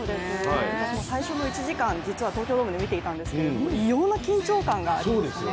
私も最初の１時間、実は東京ドームで見ていたんですけど異様な緊張感がありましたね。